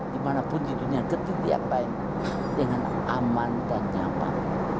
dimanapun di dunia ketika apa yang dengan aman dan nyaman